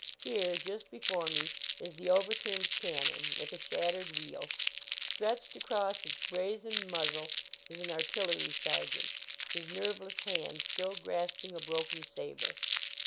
Here, just before me, is the overturned cannon, with a shattered wheel. Stretched across its brazen muzzle is an ar tillery sergeant, his nerveless hand still grasp ing a broken saber.